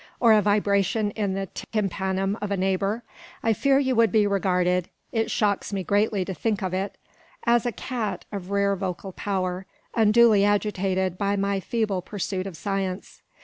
or a vibration in the tympanum of a neighbour, I fear you would be regarded it shocks me greatly to think of it as a cat of rare vocal power, unduly agitated by my feeble pursuit of science.